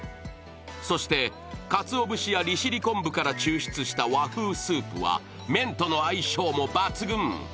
そしてかつお節や利尻昆布から抽出した和風スープは麺との相性も抜群。